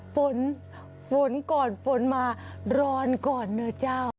ฝนฝนก่อนฝนมาร้อนก่อนนะเจ้า